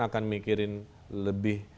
akan mikirin lebih